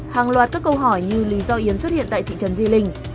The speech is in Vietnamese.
hàng loạt các câu hỏi như lý do yến xuất hiện tại thị trấn di linh